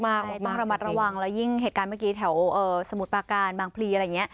ต้องระมัดระวังแล้วยิ่งเหตุการณ์เมื่อกี้แถวสมุทรปาการบางพลีอะไรอย่างนี้